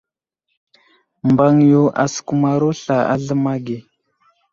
Mbaŋ yo asəkumaro sla a zləma ge.